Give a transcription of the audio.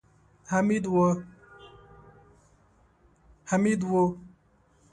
حميد و.